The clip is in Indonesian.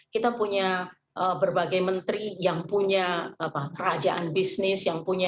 kita punya berbagai menteri yang punya kerajaan bisnis